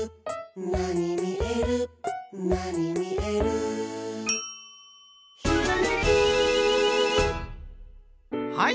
「なにみえるなにみえる」「ひらめき」はい！